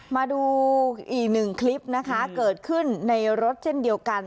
มาดูอีกหนึ่งคลิปนะคะเกิดขึ้นในรถเช่นเดียวกัน